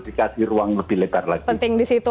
dikasih ruang lebih lebar lagi